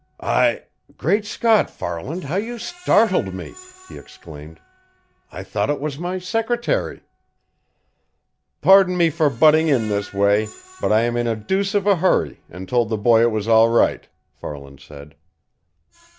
"I Great Scott, Farland, how you startled me!" he exclaimed. "I thought it was my secretary." "Pardon me for butting in this way, but I am in a deuce of a hurry and told the boy it was all right," Farland said.